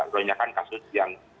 lonjakan kasus yang